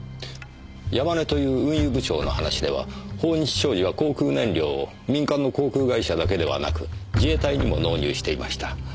山根という運輸部長の話では豊日商事は航空燃料を民間の航空会社だけではなく自衛隊にも納入していました。